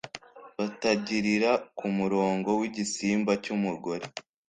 Batangirira kumurongo wigisimba cyumugore